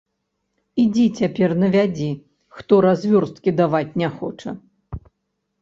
Ідзі цяпер навядзі, хто развёрсткі даваць не хоча.